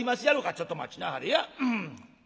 「ちょっと待ちなはれや。